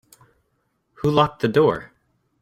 Who locked the door?